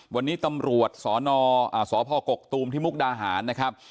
วันนี้ตำรวจสพกกตูมที่มุกดาหารนะครับ